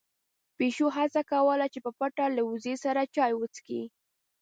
پيشو هڅه کوله چې په پټه له وزې سره چای وڅښي.